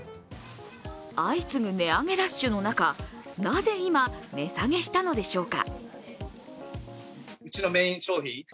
相次ぐ値上げラッシュの中なぜ今、値下げしたのでしょうか。